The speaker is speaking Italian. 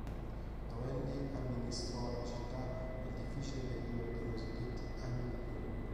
Novelli amministrò la città nel difficile periodo dei cosiddetti anni di piombo.